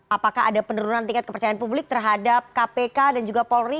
apakah ada penurunan tingkat kepercayaan publik terhadap kpk dan juga polri